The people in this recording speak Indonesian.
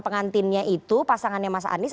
pengantinnya itu pasangannya mas anies